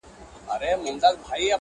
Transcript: البته دا خبره هیڅ په دې مانا نده